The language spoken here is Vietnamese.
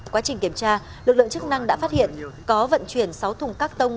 quá trình kiểm tra lực lượng chức năng đã phát hiện có vận chuyển sáu thùng các tông